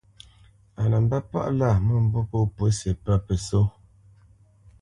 Á nə mbə̄ palá mə̂mbû pô pǔsi pə́ pəsó.